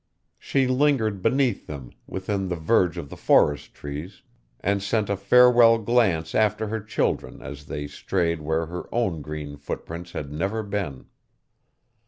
She lingered beneath them, within the verge of the forest trees, and sent a farewell glance after her children as they strayed where her own green footprints had never been.